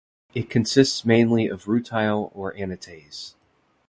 It consists mainly of rutile or anatase.